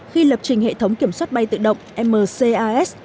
khi lập trình hệ thống kiểm soát bay tự động mcas